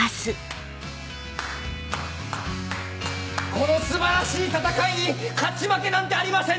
この素晴らしい戦いに勝ち負けなんてありません。